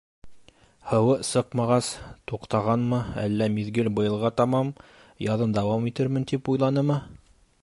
Һыуы сыҡмағас, туҡтағанмы, әллә, миҙгел быйылға тамам, яҙын дауам итермен, тип уйланымы?